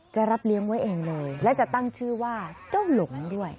จะรับเลี้ยงไว้เองเลยและจะตั้งชื่อว่าเจ้าหลงด้วย